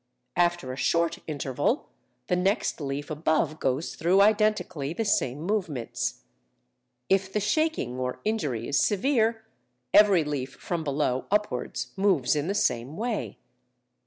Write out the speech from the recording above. After a short interval, the next leaf above goes through identically the same movements. If the shaking or injury is severe, every leaf from below upwards moves in the same way.